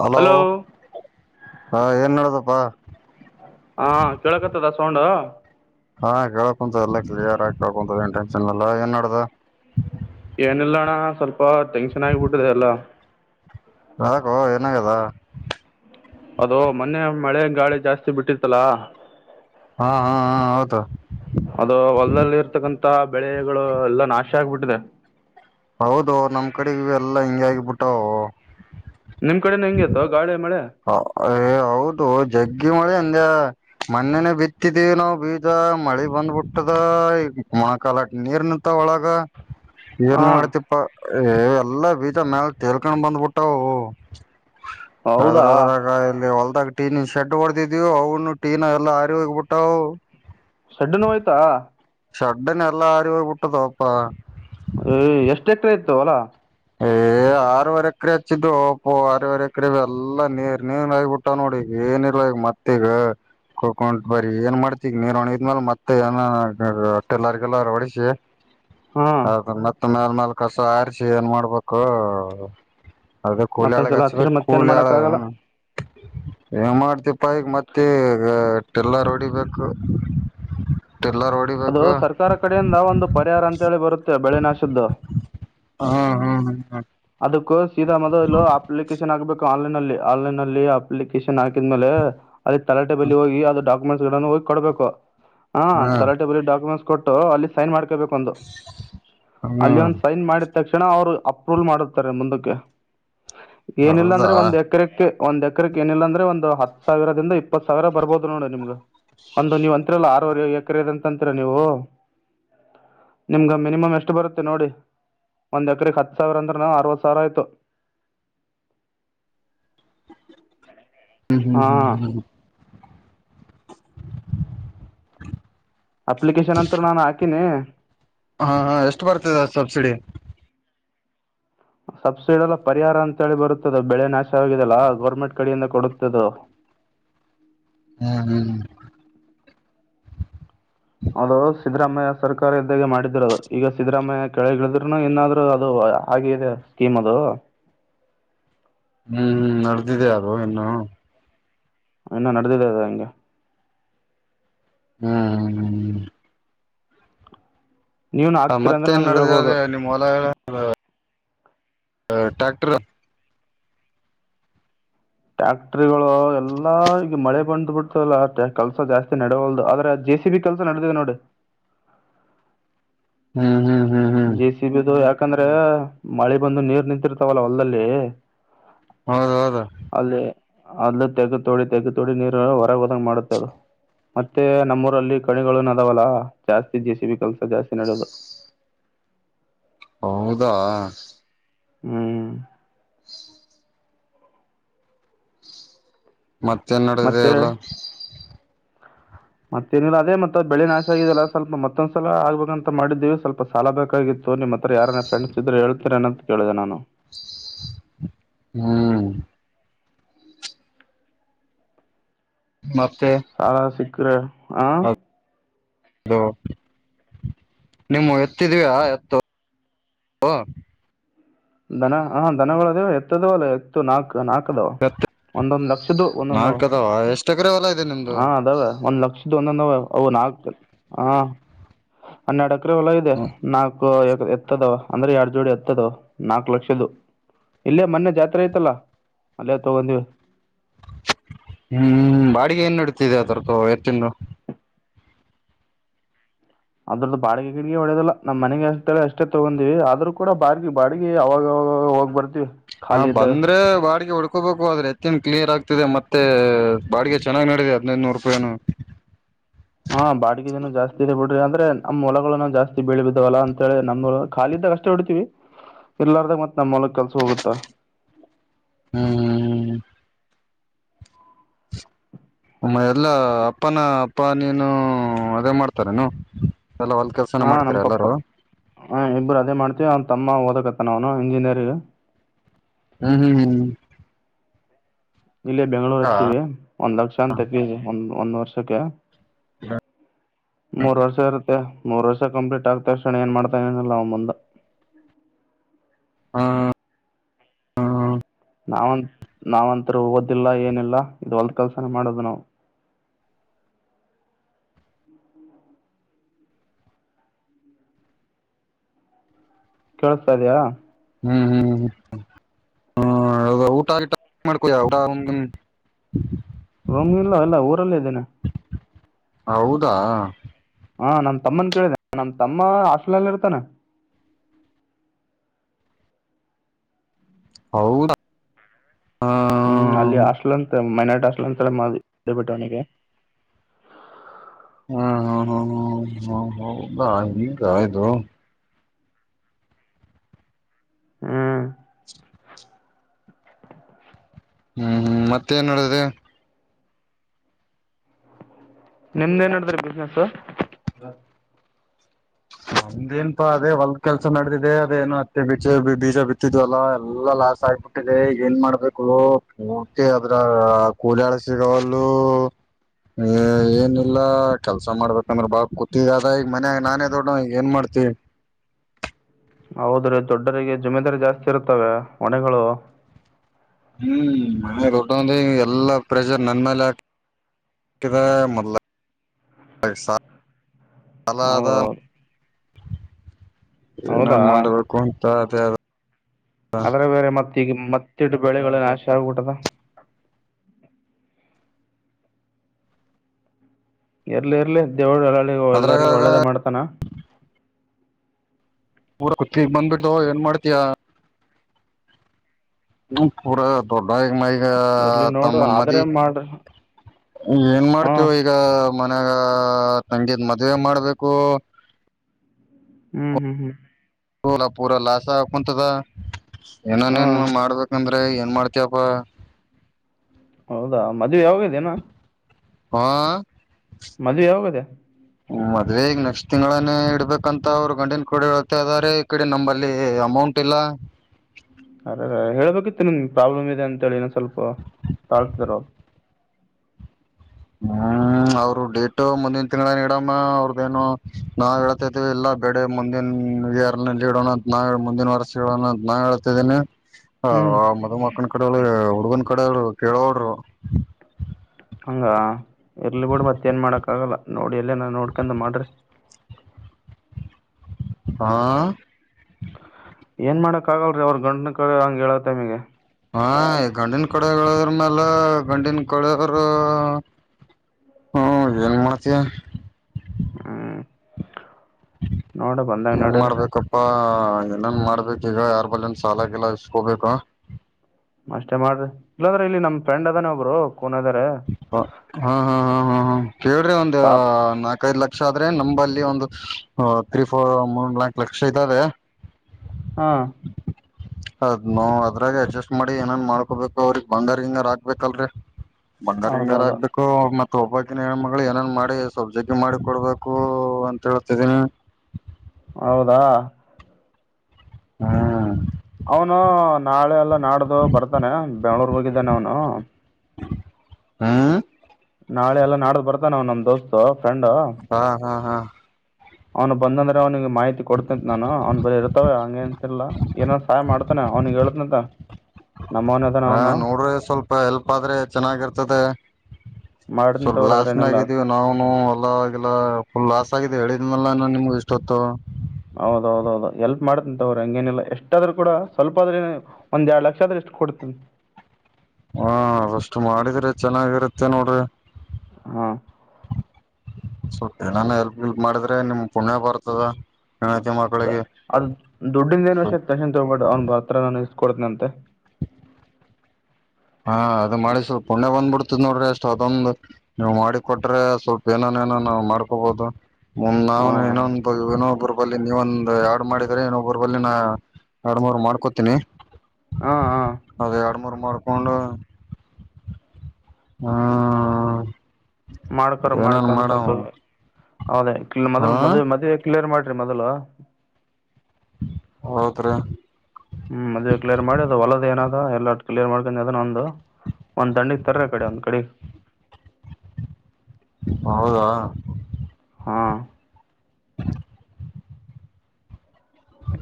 Hello ಹಾ ಏನ್ ನಡದಪ್ಪಾ ಹಾಂ ಕೇಳಕತ್ತದ ಸೌಂಡು ಹಾ ಕೇಕೊಂತ ಎಲ್ಲ ಕ್ಲಿಯರ್ಗಿ ಕೇಕೊಂತ ಏನ್ ಟೆನ್ಷನ್ ಎಲ್ಲ ಏನ್ ನಡದದ [unintelligible] ಏನಿಲ್ಲ ಅಣ್ಣ ಸ್ವಲ್ಪ ಟೆನ್ಷನ್ ಆಗಿಬಿಟ್ಟಿದೆ ಎಲ್ಲಾ [unintelligible] ಏನಾಗದ ಅದು ಮೊನ್ನೆ ಮಳೆ ಗಾಳಿ ಜಾಸ್ತಿ ಬಿಟ್ಟಿರ್ತಲಾ ಹಾ ಹಾ ಹಾ ಹೌದು ಅದು ಹೊಲ್ದಲ್ಲಿ ಇರ್ತಕ್ಕಂತಥ ಬೆಳೆಗಳು ಎಲ್ಲಾ ನಾಶ ಆಗ್ಬಿಟ್ಟಿದೆ ಹೌದು ನಮ್ ಕಡೆಗೆ ಎಲ್ಲ ಹಿಂಗ ಆಗಬಿಟ್ಟಾವ ನಿಮ್ ಕಡೆ ಹೆಂಗಿತ್ತು ಗಾಳಿ ಮಳೆ ಹ ಏ ಹೌದು ಜಗ್ಗಿ ಮಳಿ ಅಂದೆ ಮೊನ್ನೆನೆ ಬಿತ್ತಿದೀವಿ ನಾವು ಬೀಜ ಮಳಿ ಬಂದ್ಬಿಟ್ಟದ ಈ ಮೊಣಕಾಲಕ್ ನೀರ್ಂತ ಒಳಗ ಎನ್ ಹಾಂ ಮಾಡ್ ಎಲ್ಲ ಬೀಜಾ ಮ್ಯಾಲ ತೇಳ್ಕೊಂಡ್ ಬಂದ್ಬಿಟ್ಟ ಹೌದಾ ಅದ್ರದ್ದೆಲ್ಲಾ ಇಲ್ಲಿ ಹೊಲ್ದದಾಗ ಟೀನ ಶರ್ಡ್ ಹೊಡದಿದವು ಅವುನು ಟೀ ನ ಎಲ್ಲ ಹಾರಿ ಹೋಗಬಿಟ್ಟವು ಸಡ್ಡು ಹೋಯ್ತಾ ಶಡ್ಡಿನ ಎಲ್ಲಾ ಹಾರಿಹೋಗಿಬಟ್ಟು ದೋಪಾ ಏ ಎಷ್ಟ್ ಎಕರೆ ಇತ್ತು ಹೋಲಾ ಏ ಆರವರೆ ಎಕರೆ ಹಚ್ಚಿದ್ದುಪ್ಪು ಆರವರೆ ಎಕರೆ ಎಲ್ಲ ನೀರ್ ನೀನ್ ಆಗಬಿಟ್ಟ ನೋಡಿಗ ಏನ್ ಇಲಾ ಮತ್ತೆ ತ್ತಗ [unintelligible] ಬರೀ ಏನ್ ಮಾಡ್ತೀ ನೀರ್ ಒಣಿದ್ಮೇಲ ಮತ್ತೆ ಏನಟೆಲರ್ಗೆಲ್ಲರ್ ಹೊಡಸಿ. [inaudible] ಹಾ ಮತ್ತ್ ಮ್ಯಾಲ್ ಮೇಲ್ ಕಸ ಆರಿಸಿ ಏನ್ ಮಾಡ್ಬೇಕು ಅದ್ಕ ಕೂಲಿ ಮತ್ತೊಂದ್ಸಲ ಹಚ್ಚಿದ್ರೆ ಆಳಗಚ್ಚ್ಬೇಕ್ ಮತ್ತೇನು ಕೂಲಿ ಆಳಗಾ. ಮಾಡೋಕ್ಕಾಗಲ್ಲ ಏನು ಮಾಡ್ತಿಪ್ಪ ಈಗ ಮತ್ತೆ ಈಗ ಟಿಲ್ಲರ್ ಹೊಡಿಬೇಕು. ಟಿಲ್ಲರೊಡ್ ಅದು ಸರ್ಕಾರ ಕಡೆಯಿಂದ ಒಂದು ಪರಿಹಾರ ಅಂತೇಳಿ ಬರುತ್ತೆ ಬೆಳೆ ನಾಶದ್ದು. ಹ್ಮ ಹ್ಮ್ ಹ ಅದಕ್ಕೂ ಸೀದಾ ಮೊದಲು ಅಪ್ಲಿಕೇಶನ್ ಆಗ್ಬೇಕು ಆನ್ಲೈನಲ್ಲಿ. ಆನ್ಲೈನ್ ಅಲ್ಲಿ ಅಪ್ಲಿಕೇಶನ್ ಹಾಕಿದ್ ಮೇಲೆ ಅದ ತಲಟೆ ಬಳಿ ಹೋಗಿ ಈ ಅದು ಡಾಕ್ [unintelligible] ಹೋಗಿ ಕೊಡ್ಬೇಕು ಹ ಹ್ಮ್ ತಲಾಟ ಬ ಡಾಕುಮೆಂಟ್ಸ್ ಕೊಟ್ಟು ಅಲ್ಲಿ ಸೈನ್ ಮಾಡ್ಕಬೇಕು ಒಂದು ಹ್ಮ್ ಅಲ್ಲಿ ಹ್ಮ್ ಒಂದು ಸೈನ್ ಮಾಡ್ ತಕ್ಷಣ ಅವ್ರು ಅಪ್ರೂವಲ್ ಮಾಡುಸ್ತಾರೆ ಮುಂದಕ್ಕೆ, ಏನಿಲ್ಲ ಹೌದಾ ಅಂದ್ರೆ ಒಂದ್ ಎಕರೆಕ್ಕೆ ಒಂದ್ ಎಕ್ರಕ್ ಏನಿಲ್ಲ ಅಂದ್ರೆ ಒಂದು ಹತ್ ಸಾವಿರದಿಂದ ಇಪ್ಪತ್ ಸಾವಿರ ಬರ್ಬೋದು ನೋಡಿ ನಿಮ್ಗ. ಅಂದು ನೀವ್ ಅಂತರಿಲ್ಲ ಆರೂವರೆ ಎಕರೆದ ಅಂತ ಅಂತರ ನೀವು. ನಿಮ್ಗ ಮಿನಿಮಮ್ ಎಷ್ಟು ಬರುತ್ತೆ ನೋಡಿ. ಒಂದ್ಕೆ ಹತ್ಸಾವಿರ ಅಂದ್ರನ ಅರವತ್ ಸಾವಿರ ಆಯ್ತು. ಹ್ಮ್ ಹ್ಮ್ ಹ್ಮ್ ಹಾಂ ಹ್ಮ ಅಪ್ಲಿಕೇಶನ್ ಅಂತ ನಾನು ಹಾಕೀನಿ. ಹಾ ಹಾ ಎಷ್ಟು ಬರ್ತದ ಸಬ್ಸಿಡಿ? ಸಬ್ಸಿಡಿ ಅಲ್ಲ ಪರಿಹಾರ ಅಂತೇಳಿ ಬರುತ್ತದೆ ಬೆಳೆ ನಾಶವಾಗಿದಲ್ಲಾ ಗೋರ್ಮೆಂಟ್ ಕಡೆಯಿಂದ ಕೊಡುತ್ತದು. ಹ್ಮ್ ಹ್ಮ್ ಅದು ಸಿದ್ದರಾಮಯ್ಯ ಸರ್ಕಾರ ಇದ್ದಾಗೆ ಮಾಡಿದ್ರು ಅದು ಈಗ ಸಿದ್ದರಾಮಯ್ಯ ಕೆಳಗಿಳಿದ್ರುನು ಏನಾದ್ರು ಅದು ಹಾಗೆ ಇದೆ ಸ್ಕೀಮ್ ಅದು. ಹ್ಮ್ ಹ್ಮ್ ನಡೆದಿದೆ ಅದು ಇನ್ನು. ಇನ್ನು ನಡೆದಿದೆ ಹಂಗೆ. ಹ್ಮ ಹ ನೀವನು ಹ ಹಾಕ್ತೀರ ಮತ್ತ್ ಅಂದ್ರೆ ಏನ್ ನನ್ಗೆ ನಡ್ದಿದೆ ಹೇಳ್ಬೋದು ಅದೆ ನಿಮ್ಮ್ ಹೊಲ ಆ ಟ್ರ್ಯಾಕ್ಟರು. ಟ್ಯಾಕ್ಟ್ರಗಳು ಎಲ್ಲಾ ಈಗ ಮಳೆ ಬಂದ್ ಬಿಡ್ತಲ್ಲ ಕೆಲ್ಸ ಜಾಸ್ತಿ ನಡೆಯೊಲ್ದು ಆದ್ರೆ ಜೆ ಸಿವಿ ಕೆಲಸ ನಡೆದಿದೆ ನೋಡು. ಹ್ಮ್ ಹ್ಮ್ ಹ್ಮ್ ಹ್ಮ್ ಜೆ ಸಿಬಿ ದು ಯಾಕಂದ್ರೆ ಮಳೆ ಬಂದು ನೀರ್ ನಿಂತಿರ್ತಾವಲ್ಲ ಹೊಲ್ದಲ್ಲೀ. ಹೌದ ಹೌದು ಅಲ್ಲಿ ಅಲ್ಲಿ ತೆಗ ತೊಡಿ ತೆಗ ತೊಡಿ ನೀರು ಹೊರಗೆ ಹೋದಂಗ ಮಾಡುತ್ತೆ ಅದು. ಮತ್ತೆ ನಮ್ಮೂರಲ್ಲಿ ಕಣಿಗಳುನು ಅದಾವಲ್ಲ ಜಾಸ್ತಿ ಜೆ ಸಿ ಬಿ ಕೆಲ್ಸ ಜಾಸ್ತಿ ನಡೋದು. ಹೌದಾ ಹ್ಮ ಮತ್ತೇನ್ ನಡದೆ ಮತ್ತೆ ಎಲ್ಲ. ಮತ್ತೇನಿಲ್ಲ ಅದೇ ಮತ್ತ ಬೆಳೆ ನಾಶ ಆಗಿದೆಲ್ಲ ಸ್ವಲ್ಪ ಮತ್ತೊಂದ್ಸಲ ಆಗ್ಬೇಕಂತ ಮಾಡಿದ್ದೀವಿ ಸ್ವಲ್ಪ ಸಾಲ ಬೇಕಾಗಿತ್ತು. ತೋ ನಿಮ್ಮ ಹತ್ರ ಯಾರ ಫ್ರೆಂಡ್ಸ್ ಇದ್ರ ಹೇಳ್ತಿರೇನ ಅಂತ ಕೇಳಿದೆ ನಾನು. ಹ್ಮ ಮತ್ತೆ ಹಾ ಸಿಕ್ಕರೆ ಹ. ಅದು ನಿವು ಎತ್ತಿದ್ಯಾ ಎತ್ತು ದನ ಹ ದನಗಳದವು ಎತ್ತದ ಅಲ್ಲ ಎತ್ತು ನಾಕ್ ನಾಕದವ ಒಂದೊಂದು ಲಕ್ಷ್ದ ಒಂದೊಂದು ನಾಲ್ಕ ಅದಾವ ಎಷ್ಟ್ ಎಕರೆ ಹೊಲ ಇದೆ ನಿಮ್ದು ಹಾ ಅದಾವ ಒಂದ್ ಲಕ್ಷ ಒಂದ ಅ ನಾಕ ಹ ಹನ್ನೆರಡು ಅಕರೆ ಹೊಲ ಇದೆ ನಾ ಎತ್ತದವ ಅಂದ್ರೆ ಎರ್ ಜೋಡಿ ಎತ್ತತದವ ನಾಲ್ಕು ಲಕ್ಷ್ದ ಇಲ್ಲೇ ಮೊನ್ನೆ ಜಾತ್ರೆ ಐತ್ತಲ್ಲ ಅಲ್ಲೇ ತೊಗೊಂಡೀವಿ ಹ್ಮ್ ಬಾಡಿಗೆ ಏನ್ ನಡತಿದೆ ಅದರ ತ ಎರ್ ತಿಂಡ ಅದ್ರದ್ದ ಬಾಡಿಗೆ ಗಿಡಿಗೆ ಹೊಡೋದಲ್ಲ ನಮ್ ಮನೆಗೆ ಅಸ್ತಾಳೆ ಅಷ್ಟೇ ತೊಗೊಂಡಿವವಿ ಆದ್ರೂ ಕೂಡ ಬಾಗೆ ಬಾಡಿಗೆ ಅವವಾಗಾಗ ಹೋಗ್ ಬರ್ ದು ಹಾ ಬಂದ್ರೆ ಬಾಡಿಗೆ ಹುಡ್ ಹಾಕೋಬೇಕು ಆದ್ರೆ ಎತ್ತನ್ ಕ್ಲಿಯರ್ ಆಗ್ತಿದೆ ಮತ್ತೆ ಬಾಡಿಗೆ ಚೆನ್ನ್ ನಡಿದೆ ಹದ್ದ್ನೂರು ರೂಪಾಯನು ಹಾ ಬಾಡಿಗೆ ಜನ ಜಾಸ್ತಿ ಇದೆ ಬಿಡ್ರಿ ಅ್ರೆ ನಮ್ಮ ಒಳಗಳನ ಜಾಸ್ತಿ ಬಳಿ ಬಿದ್ದಾವಲ್ಲ ಅಂತ ಹೇಳಿ ನಮ್ ಒ ಲಿದಾಗ ಅಷ್ಟ ಹೊಡಿತೀವಿ ಎಲ್ಲಾರದಾಗ ಮತ್ತತ್ ನಮ್ಮ್ ಮಲ ಕೆಲ್ಸ ಹೋಗುತ್ತಾ ಹ್ಮ್ ಹ್ಮ ಹ್ಮ್ ಮ್ಮ ಎಲ್ಲಾ ಅಪ್ಪನ ಅಪ್ಪ ನೀನು ಅದೇ ಮಾಡ್ತಾರೇನು ಎಲ್ಲ ಹೊಲ್ ಕೆಲ್ಸ ಹಾ ನಮ್ಮ ಪಪ್ಪ ಹ ಇಬ್ಬರು ಅದೇ ಮಾಡ್ತಿವಿ ಅವನ್ ತಮ್ಮ ಓದಕತ್ತ ನ ಅವ್ನು ಇಂಜಿನಿಯರ. ಹ್ಮ್ ಹ್ಮ್ ಹ್ಮ್ ಇಲ್ಲಿ ಬೆಂಗಳೂರ ಹಾ ಹಚ್ಚಿವಿ ಒಂದ್ ಲಕ್ಷ ಅಂತ ಫೀಸ್ ಒಂದ ಒಂದ್ ವರ್ಷಕ್ಕೆ. ಮೂರ್ ವರ್ಷ ಇರುತ್ತೆ ಮೂರ್ ವರ್ಷ ಕಂಪ್ಲೀಟ್ ಆಗ್ತಕ್ಷಣ ಏನ್ ಮಾಡ್ತಾನೋ ಏನಿಲ್ಲ ಅವ ಮುಂದ. ಹಾ ನಾವಂತ್ ನಾವಂತರು ಓದಿಲ್ಲ ಏನಿಲ್ಲ ಇದು ಹೊಲ್ದ ಕೆಲ್ಸನೇ ಮಾಡೋದ ನಾವು. ಹಾ ಕೇಳಸ್ತಾ ಇದೆಯಾ? ಹ್ಮ್ ಹ್ಮ್ ಹ್ಮ್ ಹ್ಮ ಅ ಊಟಾ ಗಿಟಾ ಏನ್ ಮಾಡ್ತೀಯಾ [unintelligible] ರಮ ಇಲ್ಲಾ ಅಲ್ಲ ಊರಲ್ಲೇ ಇದಾನೆ. ಹೌದಾ? ಹಾ ನಮ ತಮ್ಮನ್ ಕೇಳಿದೆ ನಮ ತಮ್ಮ ಹಾಸ್ಟ್ಲಲ್ ಇರ್ತಾನೆ. ಹೌದಾ ಹ ಹ್ಮ್ ಅಲ್ಲಿ ಹಾಸ್ಟ್ಲ್ ಅಂತ ಮೈನಾರಟಿ ಹಾಸ್ಟ್ಲ್ ಅಂತ [unintelligible] ಅವನಿಗೆ ಹ್ಮ ಹ ಹ ಹ ಹ ಹೌದಾ ಹಿಂಗ್ ಇದು. ಹಂ [unintelligible] [unintelligible] ಹ್ಮ್ ಹ್ಮ್ ಮತ್ತ ಏನ್ ನೋಡದದೆ. ನಿಮ್ದ್ ಏನ ನಡದದ್ರಿ ಬಿಸ್ನೆಸ್ಸೂ? ನಮ್ದೇನ್ಪಾ ಅದೇ ಹೊಲ್ದ ಕೆಲ್ಸ ನಡೆದಿದೆ ಅದೇನು ಹತ್ತೆ ಬ ಬೀಜ ಬಿತ್ತಿದ್ವಲ್ಲಾ ಎಲ್ಲಾ ಲಾಸ್ ಆಯ್ತು. ತ್ತಿದೆ ಏನ್ ಮಾಡ್ಬೇಕು ಪೂರ್ತಿ ಅದ್ರಾಗ ಕೂಲಿಯಾಳ ಸಿಗವಲ್ಲೂ. ಏ ಏನಿಲ್ಲ ಕೆಲ್ಸ ಮಾಡ್ಬೇಕಂದ್ರ ಬಾ ಕುತ್ಗಿಗ್ ಅದಾ ಈಗ ಮನ್ಯಾಗ ನಾನೇ ದೊಡ್ಡ ಹ ಏನ್ ಮಾಡ್ತಿ? ಹೌದ್ರೀ ದೊಡ್ಡರಿಗೆ ಜಮೆದಾರಿ ಜಾಸ್ತಿ ಇರತ್ತವೆ ಹೊಣೆಗಳು. ಹ್ಮ್ ಮನ್ಯಾಗ ದೊಡ್ಡವನ್ದೇ ಎಲ್ಲಾ ಪ್ರೆಷರ್ ನನ್ ಮೇಲೆ ಹಾಕ್ತ [unintelligible] ಸಾಲಾ ಅದಾ. ಹೌದೌದು ಜೀವ್ನಾ ಹೌದಾ ಮಾಡ್ಬೇಕು ಅಂತ ಅದೇ ಅದಾ. ಅದ್ರಾಗ ಬೇರೆ ಮತ್ತ ಈಗ ಮತ್ತಿಟ್ ಬೆಳೆಗಳ ನಾಶ ಆಗ್ಬಿಟ್ಟದ ಎರ್ಲಿ ಇರ್ಲಿ ದೇವರು ಎಲ್ಲರಿಗೂ ಅದ್ರಾಗ ಒಳ್ಳೆಯವರಿಗೂ ಒಳ್ಳೇದ ಮಾಡ್ತಾನ ಪೂರ [unintelligible] ಬಂದ್ಬಿಟ್ಟು ಏನ್ ಮಾಡ್ತಿಯಾ ಪೂರ [unintelligible] [unintelligible] ಇರ್ಲಿ [unintelligible] ನೋಡು ತಮ್ಮನ್ ಮದ್ವಿ ಆದ್ರೆ ಮಾಡ್ರಿ ಏನ್ ಹಾ ಮಾಡ್ತೀಯೋ [unintelligible] ಈಗ ಮನ್ಯಾಗ ತಂಗಿದ್ ಮದ್ವೇ ಮಾಡ್ಬೇಕು [unintelligible] ಹ್ಮ್ ಹ್ಮ್ ಹ್ಮ್ ಸೋಲ ಪೂರಾ ಲಾಸ್ ಹಾಗಿ ಕೊಂತದ ಏನನ್ ಹಾ ಏನ್ ಮಾಡ್ಬೇಕಂದ್ರೆ ಏನ್ ಮಾಡ್ತಿಯಪ್ಪಾ ಹೌದಾ ಮದ್ವೇ ಯಾವಾಗ ಇನ್ನ ಹಾ [unintelligible] ಮದ್ವೇ ಯಾವೋಗದ? ಮದ್ವೆ ಈಗ ನೆಕ್ಸ್ಟ್ ತಿಂಗಳಾನೇ ಇಡ್ಬೇಕ ಅಂತ ಅವ್ರು ಗಂಡಿನ ಕಡೆಯವರು ಹೇಳ್ತಾ ಇದ್ದಾರೆ. ಇ ಕಡೆ ನಮ್ಮಲ್ಲಿ ಅಮೌಂಟ್ ಇಲ್ಲ. ಅರೆ ಅರೆ ಅ ಹೇಳ್ಬೇಕಿತ್ತು ನಿಮಗೆ ಪ್ರಾಬ್ಲಮ್ ಇದೆ ಅಂತೇಳಿ ಇನ್ನ ಸ್ವಲ್ಪ ತಾಳ್ತಿದ್ ಅವರು. ಹ್ಮ್ ಅವರು ಡೇಟ್ ಮುಂದಿನ ತಿಂಗಳ ಇಡಮ್ಮ ಅವ್ರದೇನು ನಾವ ಹೇತಾ ಇದ್ದೇವಿ ಇಲ್ಲ. [unintelligible] ಬೇಡೆ ಮುಂದಿನ ಇಯರನಲ್ಲಿ ಇಡೋಣ ನಾ ಹೇಳ್ ಮುಂದಿನ ವರ್ಷ ಇಡೋಣ ಅಂತ ನಾ ಹೇಳ್ತಿದೀನಿ. ಹ ಹ್ಮ್ ಮದಮಕ್ಕನ ಕಡೆಯವರು ಹುಡುಗನ ಕಡೆರು ಕೇಳೋಲ್ರು ಹಂಗ ಇರ್ಲಿ ಬಿಡ್ ಮತ್ತ ಏನ್ ಮಾಡಕ್ ಆಗಲ್ಲ ನೋಡಿ ಎಲ್ಲ ನ ನೋಡ್ಕಂಡ ಮಾಡ್ರಿ. ಹಾ ಏನ್ ಮಾಡೋಕ್ಕಾಗಲ್ಲ ರೀ ಅವ್ರು ಗಂಡಿನ ಕಡೆವ್ರು ಹಂಗೆ ಹೇಳೋ ಟೈಮಿಗೆ. ಹಾ ಗಂಡಿನ ಕಡೆಯವರನ್ನೆಲ್ಲ ಗಂಡಿನ ಕಡೆಯವರು. ಹ್ಮ ಏನ್ ಮಾಡ್ತಿಯ? ಹ್ಮ್ ನೋಡು ಬಂದಂಗ ನಡಿರಿ. ಅಪ್ಪಾ ಏನೇನ್ ಮಾಡ್ಬೇಕ ಈಗ ಯಾರ್ ಬಳಿಯನ್ ಸಾಲಾಗಿಲ್ಲ ಇಸ್ಕೋಬೇಕು. ಅಷ್ಟೆ ಮಾಡ್ರಿ ಇಲ್ಲಾಂದ್ರೆ ಇಲ್ಲಿ ನಮ್ ಫ್ರೆಂಡ್ ಅದಾನೆ ಒಬ್ಬರು ಕೋನ್ [unintelligible] ಹಾ ಹಾ ಹಾ ಹಾ ಹಾ ಕೇಳ್ರಿ ಒಂದ ಸಾರ್ ನಾಕೈದ್ ಲಕ್ಷ ಲಕ್ಷ ಆದ್ರೆ ನಮ್ಮಲ್ಲಿ ಒಂದು ತ್ರಿ ಫೋರ್ ಮೂರ್ ನಾಲ್ಕು ಲಕ್ಷ ಇದ್ದಾವೆ. ಹಾ [inaudible] ಅದ್ ನೋ ಅದ್ರಾಗ ಅಡ್ಜಸ್ಟ್ ಮಾಡಿ ಏನೇನ್ ಮಾಡ್ಕೊಬೇಕು ಅವ್ರಗ್ ಬಂಗಾರ ಗಿಂಗಾರ ಆಗ್ಬೇಕಲ್. ರಿ ಬಂಗಾರ ಗಿಂಗಾರ ಹೌದೌದು ಆಗ್ಬೇಕು. [unintelligible] ಮತ್ತ ಒಬ್ಬಕ್ಕಿನ ಹೆಣ್ಮಳ ಏನನ್ ಮಾಡಿ ಸ್ವಲ್ಪ ಸೆಟಲ್ ಗ ಮಾಡಿ ಕೊಡ್ಬೇಕು ಅಂತ ಹೇಳ್ತಿದೀನಿ. ಹೌದಾ ಹ್ಮ್ ಅವನು ನಾಳೆ ಎಲ್ಲ ನಾಡ್ದ ಬರ್ತಾನೆ ಬೆಂಗಳೂರ್ಗ್ ಹೋಗಿದ್ದಾನೆ ಅವನು. ಹಾ [unintelligible] ನಾಳೆ ಎಲ್ಲ ನಾಡ್ದ್ ಬರ್ತಾನ ಅವನು ನಮ್ ದೋಸ್ತು ಫ್ರೆಂಡ್. ಹಾ ಹಾ ಹಾ ಅವ್ನು ಬಂದಂದ್ರೆ ಅವ್ನಿಗೆ ಮಾಹಿತಿ ಕೊಡ್ತೆನೆ ನಾನು ಅವ್ನ್ ಬಳಿ ಇರ್ತವ ಹಂಗೆಂತಿಲ್ಲಾ. ಏನಾದ್ರೂ ಸಹಾಯ ಮಾಡ್ತಾನ ಅವ್ನಿಗೆ ಹೇಳ್ತನಂತ ನಮ್ಮವನ ಅದಾನ ಹಾ ಅವನು ನೋಡ್ರಿ ಸ್ವಲ್ಪ ಎಲ್ಪ್ ಆದ್ರೆ ಚೆನ್ನಾಗಿರ್ತದೆ. ಮಾಡ್ತನ್ ಸ್ವಲ್ಪ ತಗೋರಿ ಲಾಸ್ಟ್ನಾ ಅದ್ರೇನಿಲ್ಲ ಗಿದ್ದೀವಿ. ನಾನು ಹೊಲ ಗಿಲ ಫುಲ್ ಲಾಸ್ ಆಗಿದ್ದೀವಿ ಹೇಳಿದ್ನಲ್ಲ ನಾನು ನಿಮಗ್ ಇಷ್ಟೊತ್ತು ಹೌದೌದೌದು ಎಲ್ಪ್ ಮಾಡ್ತೀನಿ ತವ್ರಿ ಹಂಗೇನಿಲ್ಲಾ ಎಷ್ಟಾದ್ರು ಕೂಡ ಸ್ವಲ್ಪ ಆದ್ರ ಏನಾಯ್ತು ಒಂದ್ ಎರಡು ಲಕ್ಷ ಆದ್ರ ಎಷ್ಟುಕ್ ಕೊಡ್ತನ್ ಅಷ್ಟು ಮಾಡಿದ್ರೆ ಚೆನ್ನಾಗಿರುತ್ತೆ ನೋಡಿ. ಹಾ ಸ್ವಲ್ಪ ಹೆಲ್ಪ್ ಮಾಡಿದ್ರೆ ಪುಣ್ಯ ಬರುತ್ತೆ ನಿಮ್ಮ ಹೆಂಡತಿ ಮಕ್ಕಳಿಗೆ ದುಡ್ಡಿನ ಬಗ್ಗೆ ತಲೆ ಕೆಡಿಸ್ಕೋಬೇಡಿ ನಾನು ಇಸ್ ಕೊಡ್ತೀನಿ ಹಾ ಅದು ಮಾಡಿ ಸ್ವಲ್ಪ ಪುಣ್ಯ ಬಂದ್ಬ ಬಿಡ್ತದ್ ನೋಡ್ರಿ ಅಷ್ಟ್ ಅದೊಂದು ನೀವು ಮಾಡಿಕೊಟ್ಟರೆ ಏನಾದರೂ ಮಾಡಿಕೊಳ್ಳಬಹುದು ನಾವ ಹ್ಞೂ ಏನೋ ಒಂದು ಹಾಂ [unintelligible] ನೀವು ಎರಡು ಮಾಡಿದಿರಾ ಇನ್ನೊಬ್ಬರ ಬಲಿ ನಾ ಎರಡು ಮೂರು ಮಾಡ್ಕೋತೀವಿ ಹಾಂ ಅದ ಎರಡು ಮೂರು ಮಾಡ್ಕೊಂಡು ಹ್ಮ ಮಾಡ್ಕೊಳ್ಳ ಮಾಡ್ಕೋ [unintelligible] ಹ ಮೊದ್ಲು ಮದುವೆ ಮುಂಚೆ ಕ್ಲಿಯರ್ ಮಾಡಿ ಮೊದಲು ಹೌದ್ರೀ ಮೊದ್ಲು ಕ್ಲಿಯರ್ ಮಾಡಿ ಹೊಲದಲ್ಲ ಏನದ ಕ್ಲಿಯರ್ ಮಾಡಿ ಅದನೊಂದು ಒಂದ್ ದಂಡಿ ಇ ತರ ಕಡೆ ಒಂದ್ ಕಡೆ ಹೌದಾ ಹಾ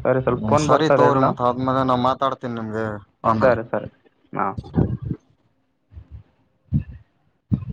ಸರಿ ಸ್ವಲ್ಪ ಫೋನ್ ಸರಿ ಬರ್ತಾದೆ ತಗೋರಿ ಇಡ್ಲಾ ಮತ್ ಆದ್ಮೇಲೆ ನಾ ಮಾತಾಡ್ತೀನಿ ನಿಮ್ಗೆ ಆಮೇಲೆ ಸರಿ ಸರಿ ಹಾ